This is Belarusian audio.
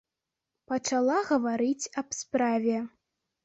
Пачала гаварыць аб справе.